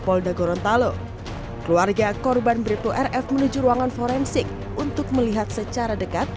polda gorontalo keluarga korban bripto rf menuju ruangan forensik untuk melihat secara dekat